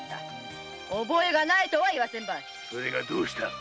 覚えがないとは言わせんばいそれがどうした。